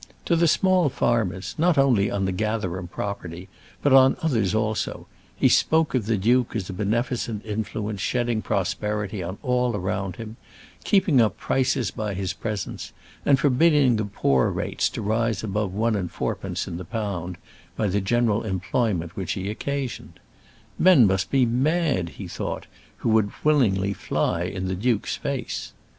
To the small farmers, not only on the Gatherum property but on others also, he spoke of the duke as a beneficent influence, shedding prosperity on all around him, keeping up prices by his presence, and forbidding the poor rates to rise above one and fourpence in the pound by the general employment which he occasioned. Men must be mad, he thought, who would willingly fly in the duke's face.